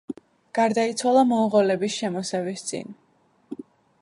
გარდაიცვალა მონღოლების შემოსევის წინ.